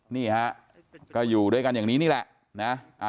นี่ฮะก็อยู่ด้วยกันอย่างนี้นี่แหละนะ